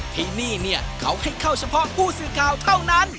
ที่นี่เนี่ยเขาให้เข้าเฉพาะผู้สื่อข่าวเท่านั้น